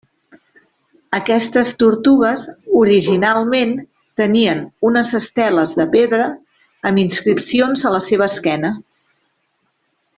Aquestes tortugues originalment tenien unes esteles de pedra amb inscripcions a la seva esquena.